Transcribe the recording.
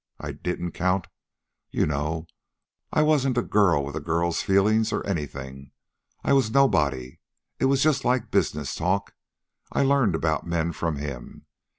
I didn't count, you know. I wasn't a girl, with a girl's feelings, or anything. I was nobody. It was just like a business talk. I learned about men from him.